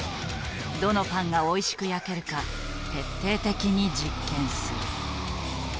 どのパンがおいしく焼けるか徹底的に実験する。